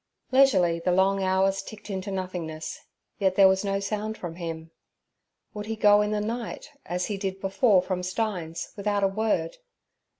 Leisurely the long hours ticked into nothingness, yet there was no sound from him. Would he go in the night, as he did before from Stein's, without a word?